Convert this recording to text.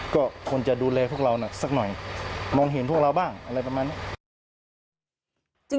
ก็ควรจะดูแลพวกเราน่ะสักหน่อยมองเห็นพวกเราบ้างอะไรประมาณนี้